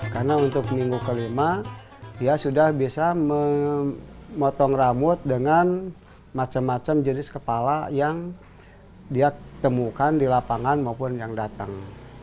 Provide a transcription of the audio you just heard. karena untuk minggu kelima dia sudah bisa memotong rambut dengan macam macam jenis kepala yang dia temukan di lapangan maupun yang datang